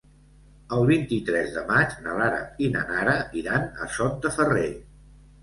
El vint-i-tres de maig na Lara i na Nara iran a Sot de Ferrer.